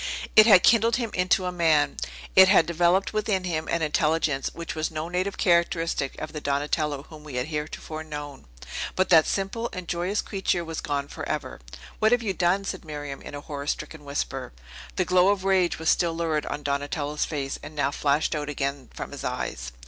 It had kindled him into a man; it had developed within him an intelligence which was no native characteristic of the Donatello whom we have heretofore known. But that simple and joyous creature was gone forever. "What have you done?" said Miriam, in a horror stricken whisper. The glow of rage was still lurid on Donatello's face, and now flashed out again from his eyes.